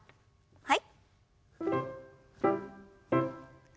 はい。